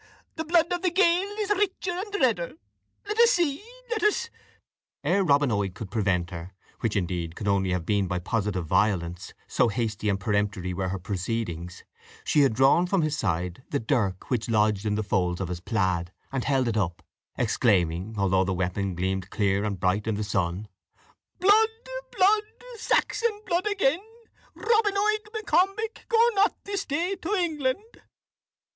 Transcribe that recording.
The blood of the Gael is richer and redder. Let us see let us " Ere Robin Oig could prevent her, which, indeed, could only have been by positive violence, so hasty and peremptory were her proceedings, she had drawn from his side the dirk which lodged in the folds of his plaid, and held it up, exclaiming, although the weapon gleamed clear and bright in the sun: "Blood, blood Saxon blood again. Robin Oig M'Combich, go not this day to England!"